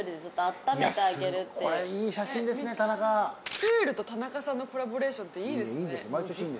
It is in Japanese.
プールと田中さんのコラボレーションっていいですね。